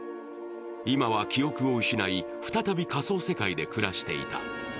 今は記憶を失い、再び仮想世界で暮らしていた。